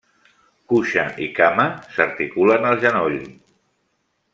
Cuixa i cama s'articulen al genoll.